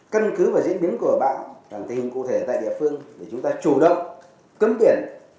cân cứ và diễn biến của bão tình hình cụ thể tại địa phương để chúng ta chủ động cấm tiền